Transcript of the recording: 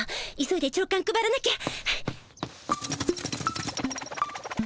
急いで朝かん配らなきゃ。